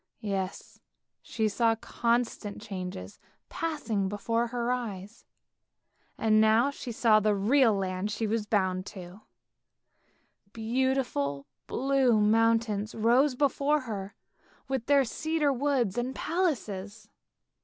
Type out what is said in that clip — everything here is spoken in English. Yes, she saw constant changes passing before her eyes, and now she saw the real land she was bound to. Beautiful blue mountains rose before her with their cedar woods and palaces.